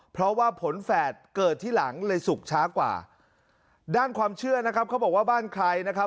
เพราะว่าผลแฝดเกิดที่หลังเลยสุกช้ากว่าด้านความเชื่อนะครับเขาบอกว่าบ้านใครนะครับ